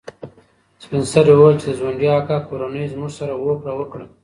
سپین سرې وویل چې د ځونډي اکا کورنۍ زموږ سره هوکړه وکړه.